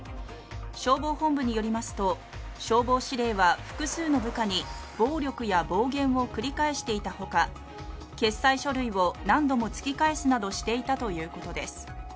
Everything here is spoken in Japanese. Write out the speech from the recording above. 消防本部によりますと、消防司令は複数の部下に暴力や暴言を繰り返していたほか、決裁書類を何度も突き返すなどしていたということです。